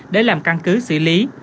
để làm căn cứ xử lý